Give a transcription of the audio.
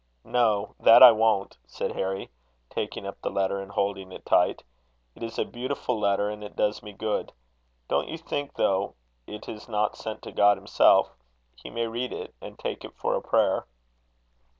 "No that I won't," said Harry, taking up the letter, and holding it tight. "It is a beautiful letter, and it does me good. Don't you think, though it is not sent to God himself, he may read it, and take it for a prayer?"